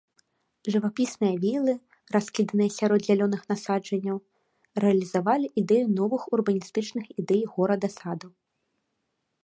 Жывапісныя вілы, раскіданыя сярод зялёных насаджэнняў, рэалізавалі ідэю новых урбаністычных ідэй горада-саду.